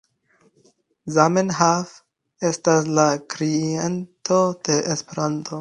Zamenhof estas la kreinto de Esperanto.